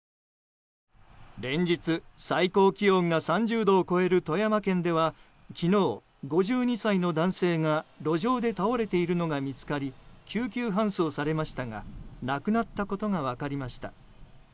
連日、最高気温が３０度を超える富山県では昨日、５２歳の男性が路上で倒れているのが見つかり救急搬送されましたが亡くなったことが分かりました。